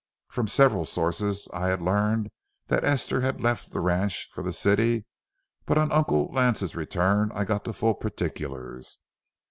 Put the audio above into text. From several sources I had learned that Esther had left the ranch for the city, but on Uncle Lance's return I got the full particulars.